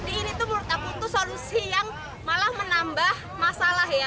ini tuh menurut aku itu solusi yang malah menambah masalah ya